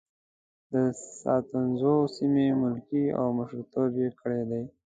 د ستانکزو سیمې ملکي او مشرتوب یې کړی دی.